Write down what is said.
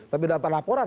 tapi dalam perlaporan